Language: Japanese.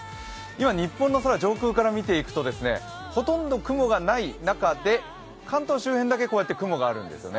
今、日本の空、上空から見ていくと、ほとんど雲がない中で関東周辺だけ雲があるんですね。